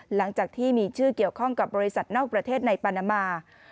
หลังจากที่มีชื่อเกี่ยวข้องกับบริษัทนอกประเทศในปานามา